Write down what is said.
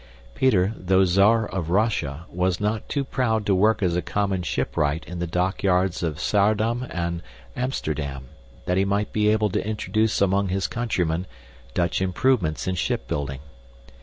Peter, though czar of Russia, was not too proud to work as a common shipwright in the dockyards of Saardam and Amsterdam, that he might be able to introduce among his countrymen Dutch improvements in ship building.